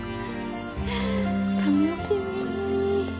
楽しみ。